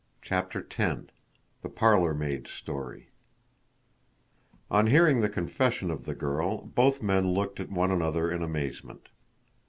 CHAPTER X THE PARLOR MAID'S STORY On hearing the confession of the girl, both men looked at one another in amazement.